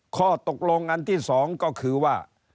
ข้อตกลงอันที่๒ก็คือว่า